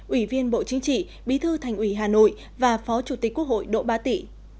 ủy viên bộ chính trị bí thư thành ủy hà nội và phó chủ tịch quốc hội đỗ ba tị